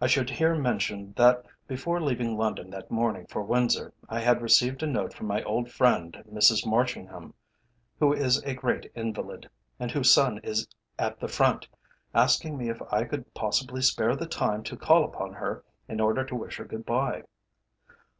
I should here mention that before leaving London that morning for Windsor, I had received a note from my old friend, Mrs Marchingham, who is a great invalid, and whose son is at the Front, asking me if I could possibly spare the time to call upon her in order to wish her good bye.